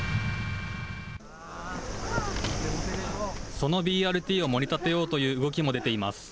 そのＢＲＴをもり立てようという動きも出ています。